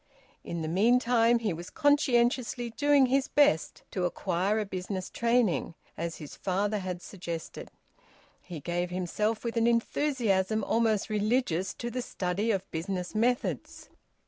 In the meantime he was conscientiously doing his best to acquire a business training, as his father had suggested. He gave himself with an enthusiasm almost religious to the study of business methods.